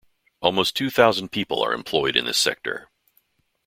Almost two thousand people are employed in this sector.